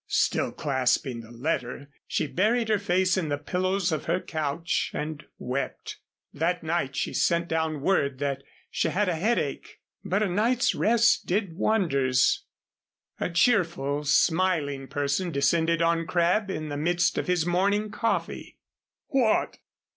Still clasping the letter she buried her face in the pillows of her couch and wept. That night she sent down word that she had a headache, but a night's rest did wonders. A cheerful, smiling person descended on Crabb in the midst of his morning coffee. "What!